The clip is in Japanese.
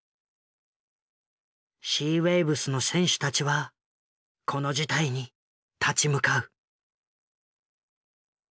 シーウェイブスの選手たちはこの事態に立ち向かう。